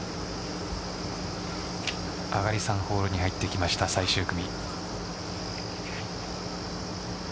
上がり３ホールに入ってきました最終組。